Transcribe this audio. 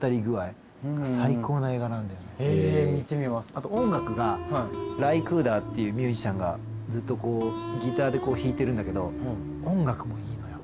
あと音楽がライ・クーダーっていうミュージシャンがずっとこうギターで弾いてるんだけど音楽もいいのよ。